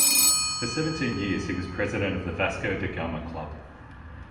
For seventeen years he was president of the Vasco da Gama Club.